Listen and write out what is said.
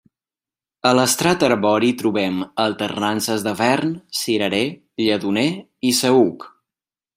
A l'estrat arbori trobem alternances de vern, cirerer, lledoner i saüc.